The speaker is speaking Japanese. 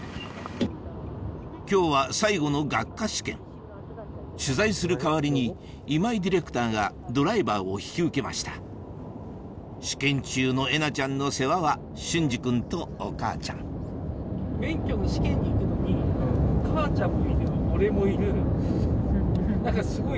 今日は最後の学科試験取材する代わりに今井ディレクターがドライバーを引き受けました試験中のえなちゃんの世話は隼司君とお母ちゃんフフフ。